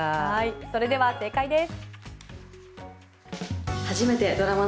それでは正解です。